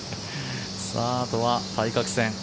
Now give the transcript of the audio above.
あとは対角線。